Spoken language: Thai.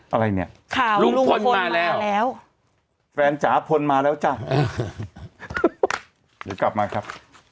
อะไรเนี่ยลุงพลมาแล้วแฟนจ๋าพลมาแล้วจ้ะเดี๋ยวกลับมาครับ